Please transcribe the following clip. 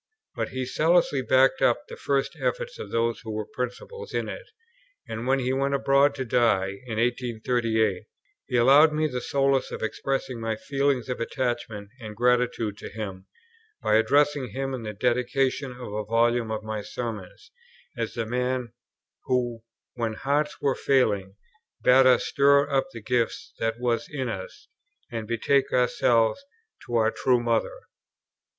But he zealously backed up the first efforts of those who were principals in it; and, when he went abroad to die, in 1838, he allowed me the solace of expressing my feelings of attachment and gratitude to him by addressing him, in the dedication of a volume of my Sermons, as the man "who, when hearts were failing, bade us stir up the gift that was in us, and betake ourselves to our true Mother."